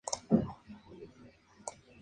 Los efectos secundarios son generalmente leves.